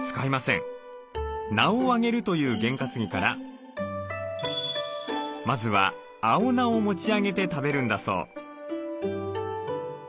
「名をあげる」という験担ぎからまずは青菜を持ち上げて食べるんだそう。